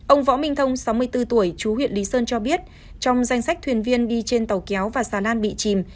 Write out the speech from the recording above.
ông võ minh thông sáu mươi bốn tuổi chú huyện lý sơn cho biết trong danh sách thuyền viên đi trên tàu kéo và xà lan bị chìm